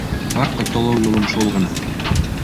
Бар ҡотолоу юлым шул ғына.